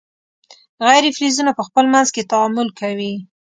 غیر فلزونه په خپل منځ کې تعامل کوي.